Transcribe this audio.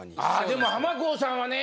でもハマコーさんはね